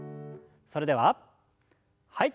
それでははい。